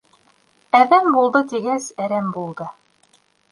Әҙәм булды тигәс, әрәм булды.